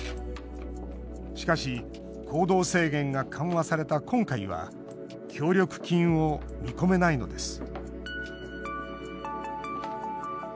しかし行動制限が緩和された今回は協力金を見込めないのです